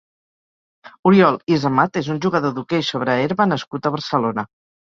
Oriol Ysamat és un jugador d'hoquei sobre herba nascut a Barcelona.